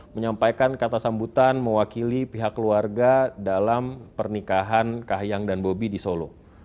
menyampaikan kata sambutan mewakili pihak keluarga dalam pernikahan kahiyang dan bobi di solo